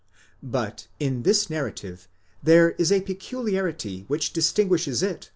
But in this narrative there is a peculiarity which distinguishes it from the 4 Paulus, L.